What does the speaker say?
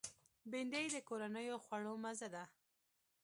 بېنډۍ د کورنیو خوړو مزه ده